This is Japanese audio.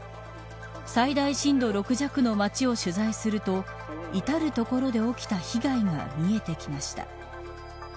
最大震度６弱の街を取材すると至る所で起きた被害が見えてきました。